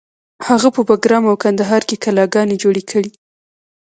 هغه په بګرام او کندهار کې کلاګانې جوړې کړې